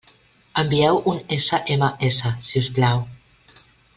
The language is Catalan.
Envieu un SMS, si us plau.